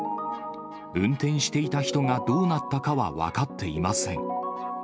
運転していた人がどうなったかは分かっていません。